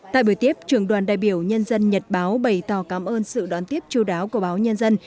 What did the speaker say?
tại buổi tiếp trưởng đoàn đại biểu nhân dân nhật báo bày tỏ cảm ơn sự đón tiếp chú đáo của báo nhân dân